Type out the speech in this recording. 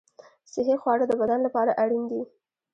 صحي خواړه د بدن لپاره اړین دي.